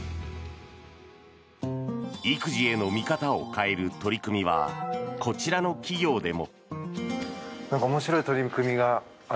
育児への見方を変える取り組みはこちらの企業でも。